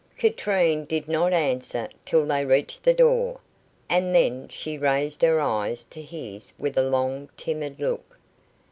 Katrine did not answer till they reached the door, and then she raised her eyes to his with a long, timid look.